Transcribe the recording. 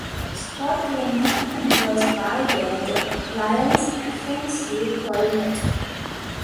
Scott Linehan was by then the Lions offensive coordinator.